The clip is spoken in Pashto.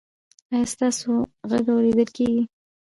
ایا ستاسو غږ اوریدل کیږي؟